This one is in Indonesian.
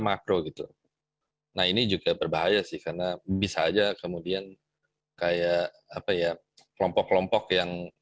makro gitu nah ini juga berbahaya sih karena bisa aja kemudian kayak apa ya kelompok kelompok yang